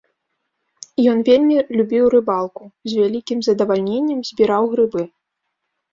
Ён вельмі любіў рыбалку, з вялікім задавальненнем збіраў грыбы.